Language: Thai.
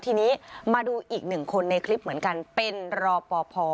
ทีนี้มาดูอีกหนึ่งคนในคลิปเหมือนกันเป็นรอปภ